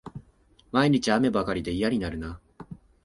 毎日、雨ばかりで嫌になるな